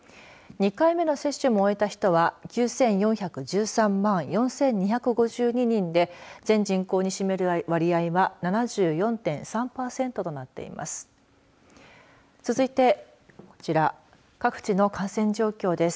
２回目の接種も終えた人は９４１３万４２５２人で全人口に占める割合は７４．３パーセントとなっています。